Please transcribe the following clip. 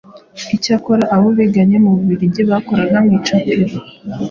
icyakora abo biganye mu Bubiligi bakoraga mu icapiro